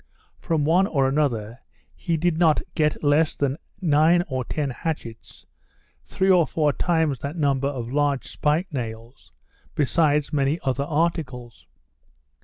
From one or another he did not get less than nine or ten hatchets, three or four times that number of large spike nails, besides many other articles.